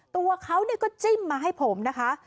ตัวเขาก็จิ้มมาให้ผมนะคะ